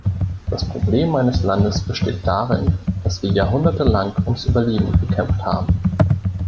Das Problem meines Landes besteht darin, dass wir jahrhundertelang ums Überleben gekämpft haben.